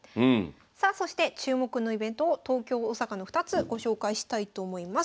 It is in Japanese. さあそして注目のイベントを東京大阪の２つご紹介したいと思います。